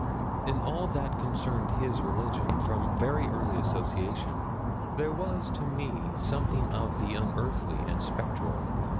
In all that concerned his religion, from very early association, there was to me something of the unearthly and spectral.